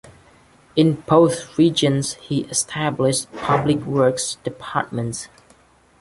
In both regions, he established public works departments.